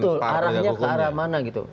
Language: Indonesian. betul arahnya ke arah mana gitu